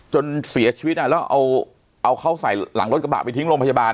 จนเสียชีวิตแล้วเอาเขาใส่หลังรถกระบะไปทิ้งโรงพยาบาล